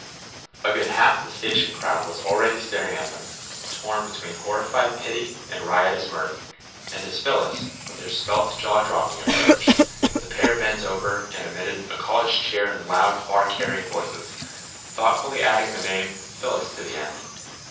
A good half of the station crowd was already staring at them, torn between horrified pity and riotous mirth, and as Phyllis, with her svelte jaw dropping, approached, the pair bent over and emitted a college cheer in loud, far carrying voices, thoughtfully adding the name "Phyllis" to the end.